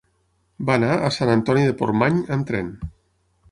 Va anar a Sant Antoni de Portmany amb tren.